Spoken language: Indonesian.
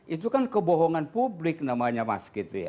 itu kan kebohongan publik namanya mas gitu ya